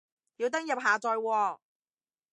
要登入下載喎